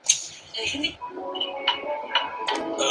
Actualmente está jubilada y vive en Madrid, donde continúa escribiendo.